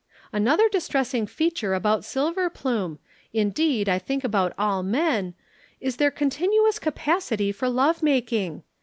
"Another distressing feature about Silverplume indeed, I think about all men is their continuous capacity for love making.